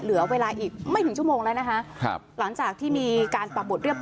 เหลือเวลาอีกไม่ถึงชั่วโมงแล้วนะคะครับหลังจากที่มีการปรับบทเรียบร